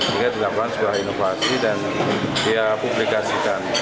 jika dilakukan sebuah inovasi dan dia publikasi